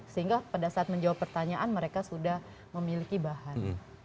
sehingga pada saat menjawab pertanyaan mereka sudah memiliki bahan